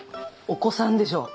お子さんでしょう？